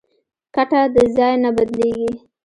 کټه د ځای نه بدلېږي.